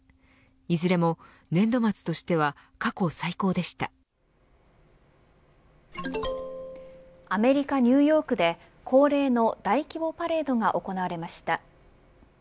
いずれも年度末としてはアメリカ、ニューヨークで恒例の大規模パレードが行われました。